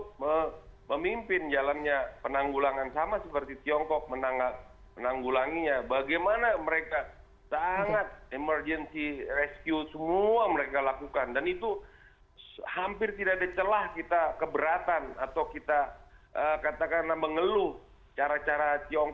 dilaporkan oleh pihak instansi